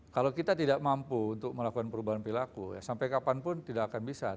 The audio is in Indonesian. kalau kita tidak mampu untuk melakukan perubahan perilaku ya sampai kapanpun tidak akan bisa